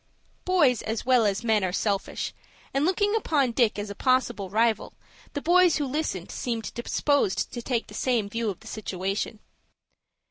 Boys as well as men are selfish, and, looking upon Dick as a possible rival, the boys who listened seemed disposed to take the same view of the situation.